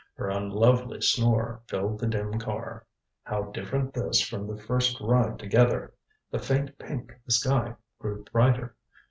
Her unlovely snore filled the dim car. How different this from the first ride together! The faint pink of the sky grew brighter.